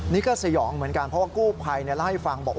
นี่ก็สยองเหมือนกันเพราะกลัวภัยนี่เล่าให้ฟังว่า